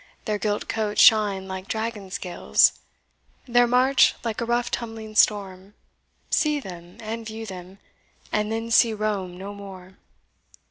Their gilt coats shine like dragon scales; their march Like a rough tumbling storm. See them, and view them, And then see Rome no more!